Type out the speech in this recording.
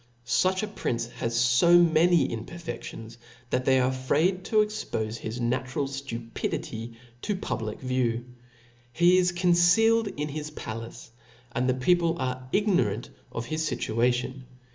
Such a prince has fo many impcrfeftions, that they are afraid to expofe his natural ftupidity to public view. He is concealed in his palace, and the people are ignorant of his fituation.